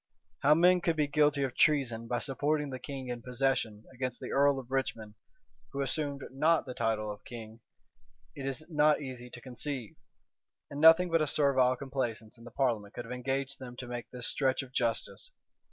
How men could be guilty of treason by supporting the king in possession against the earl of Richmond, who assumed not the title of king, it is not easy to conceive; and nothing but a servile complaisance in the parliament could have engaged them to make this stretch of justice.